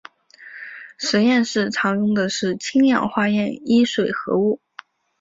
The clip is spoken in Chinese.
实验室常用的是氢氧化铯一水合物。